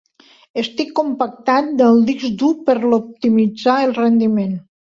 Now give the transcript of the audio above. Estic compactant el disc dur per optimitzar el rendiment.